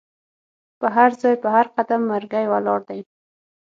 په هرځای په هر قدم مرګی ولاړ دی